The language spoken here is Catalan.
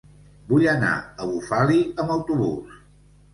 Vull anar a Bufali amb autobús.